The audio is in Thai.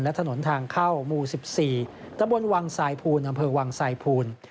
และถนนทางเข้าหมู่๑๔ตะบนวังสายภูนอำเภอวังสายภูล